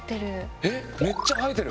えっめっちゃ生えてる。